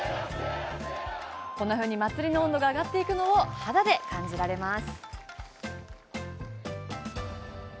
祭りの温度が上がっていくのを肌で感じられます。